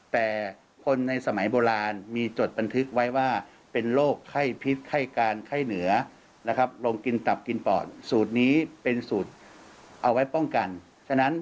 แต่คนในสมัยโบราณมีจดบันทึกไว้ว่า